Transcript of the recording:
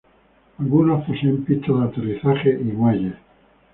Algunos poseen pistas de aterrizaje y muelles.